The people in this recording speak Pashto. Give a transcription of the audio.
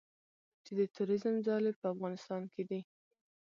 چې د تروریزم ځالې په افغانستان کې دي